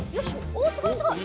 おすごいすごい！